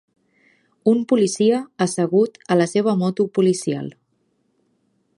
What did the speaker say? Un policia assegut a la seva moto policial.